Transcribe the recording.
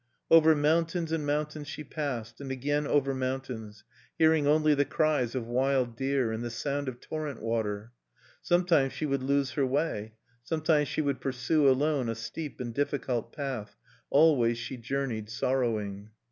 Over mountains and mountains she passed, and again over mountains; hearing only the cries of wild deer and the sound of torrent water. Sometimes she would lose her way; sometimes she would pursue alone a steep and difficult path; always she journeyed sorrowing.